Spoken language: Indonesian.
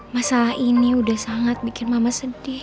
masalah ini udah sangat bikin mama sedih